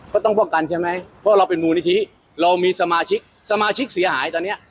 เขาต้องป้องกันใช่ไหมเพราะเราเป็นมูลนิธิเรามีสมาชิกสมาชิกเสียหายตอนเนี้ย